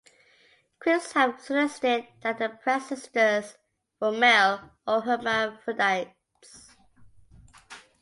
Critics have suggested that the Press sisters were male or hermaphrodites.